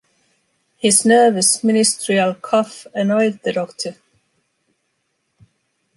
His nervous, ministerial cough annoyed the doctor.